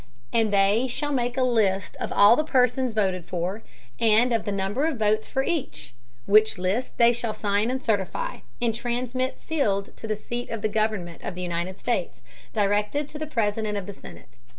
And they shall make a List of all the Persons voted for, and of the Number of Votes for each; which List they shall sign and certify, and transmit sealed to the Seat of the Government of the United States, directed to the President of the Senate.